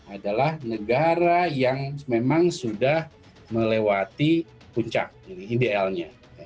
adalah negara yang memang sudah melewati puncak idealnya